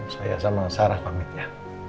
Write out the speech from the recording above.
saya sama sarah pamit ya